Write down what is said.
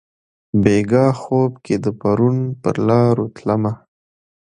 بیګاه خوب کښي د پرون پرلارو تلمه